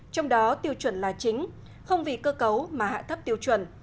trong đó tiêu chuẩn là chính không vì cơ cấu mà hạ thấp tiêu chuẩn